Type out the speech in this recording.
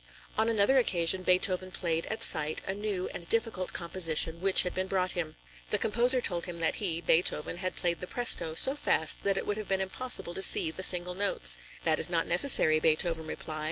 On another occasion, Beethoven played at sight a new and difficult composition which had been brought him. The composer told him that he (Beethoven), had played the Presto so fast that it would have been impossible to see the single notes. "That is not necessary," Beethoven replied.